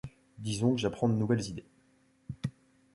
Disons que j’apprends de nouvelles idées.